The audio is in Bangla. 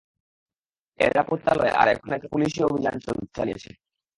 এটা পতিতালয় আর এখন এতে পুলিশ অভিযান চালিয়েছে।